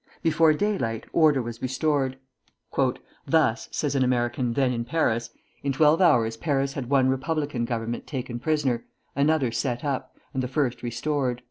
Before daylight, order was restored. "Thus," says an American then in Paris, "in twelve hours Paris had one Republican Government taken prisoner, another set up, and the first restored."